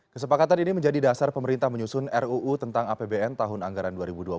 kesepakatan ini menjadi dasar pemerintah menyusun ruu tentang apbn tahun anggaran dua ribu dua puluh